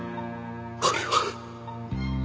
俺は。